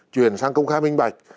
chuyển sang công khai minh bạch